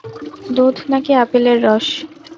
দুধ নাকি আপেলের রস?